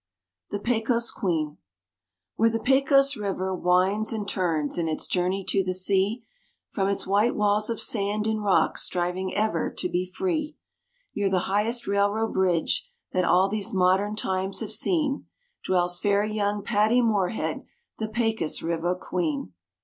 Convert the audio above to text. THE PECOS QUEEN Where the Pecos River winds and turns in its journey to the sea, From its white walls of sand and rock striving ever to be free, Near the highest railroad bridge that all these modern times have seen, Dwells fair young Patty Morehead, the Pecos River queen.